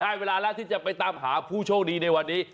เวลาแล้วที่จะไปตามหาผู้โชคดีในวันนี้